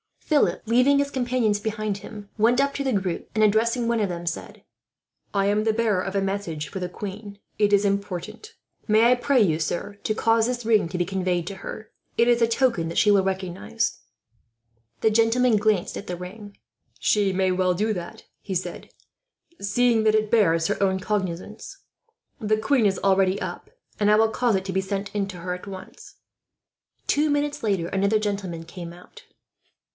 Philip, leaving his companions behind him, went up to the group and, addressing one of them, said: "I am the bearer of a message for the queen. It is important. May I pray you, sir, to cause this ring to be conveyed to her. It is a token that she will recognize." The gentleman glanced at the ring. "She may well do that," he said, "seeing that it bears her own cognizance. The queen is already up, and I will cause it to be sent in to her, at once." Two minutes later another gentleman came out.